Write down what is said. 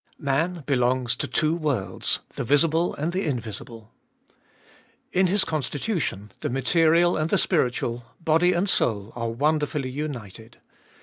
MAN belongs to two worlds, the visible and the invisible. In his constitution, the material and the spiritual, body and soul, are wonderfully united.